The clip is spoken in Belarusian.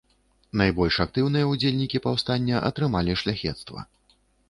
Найбольш актыўныя ўдзельнікі паўстання атрымалі шляхецтва.